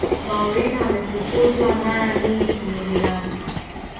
mourinho amefukuzwa mara nyingi kwenye vilabu